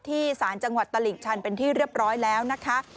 สารจังหวัดตลิ่งชันเป็นที่เรียบร้อยแล้วนะคะ